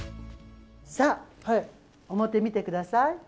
さあ、表、見てください。